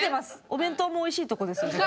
お弁当もおいしいとこですよね？